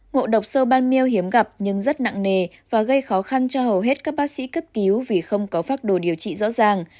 ngộ độc sơ ban meo hiếm gặp nhưng rất nặng nề và gây khó khăn cho hầu hết các bác sĩ cấp cứu vì không có phác đồ điều trị rõ ràng